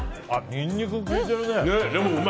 ニンニクきいてるね。